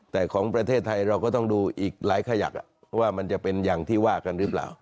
แต่ของประเทศไทยเราก็ต้องดูอีกหลายขยักว่ามันจะเป็นอย่างที่ว่ากันหรือเปล่า